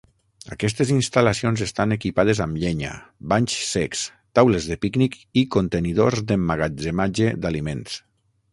Aquestes instal·lacions estan equipades amb llenya, banys secs, taules de pícnic i contenidors d'emmagatzematge d'aliments.